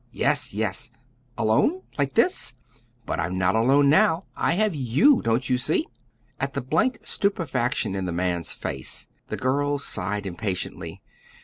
"Yes, yes." "Alone? like this?" "But I'm not alone now; I have you. Don't you see?" At the blank stupefaction in the man's face, the girl sighed impatiently.